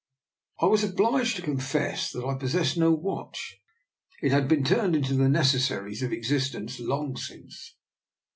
" I was obliged to confess that I possessed no watch. It had been turned into the nec essaries of existence long since.